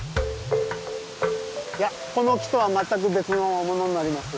いやこの木とは全く別のものになります。